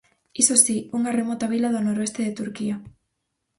Iso si, unha remota vila do noroeste de Turquía.